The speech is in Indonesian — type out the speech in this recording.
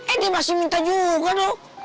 eh dia masih minta juga dong